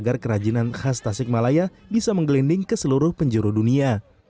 agar kerajinan khas tasikmalaya bisa menggelinding ke seluruh penjuru dunia